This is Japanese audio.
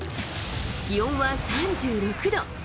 気温は３６度。